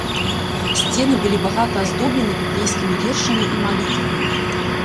Сцены былі багата аздоблены біблейскімі вершамі і малітвамі.